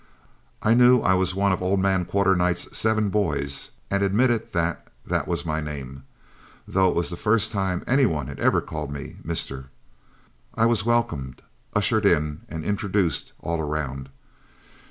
I knew I was one of old man Quarternight's seven boys, and admitted that that was my name, though it was the first time any one had ever called me mister. I was welcomed, ushered in, and introduced all around.